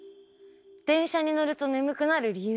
電車に乗ると眠くなる理由？